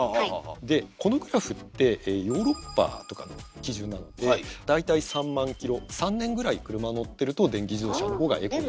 でこのグラフってヨーロッパとか基準なので大体３万ｋｍ３年ぐらい車乗ってると電気自動車の方がエコになる。